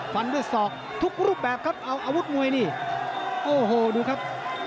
ฟันด้วยศอกทุกรูปแบบครับเอาอาวุธมวยนี่โอ้โหดูครับ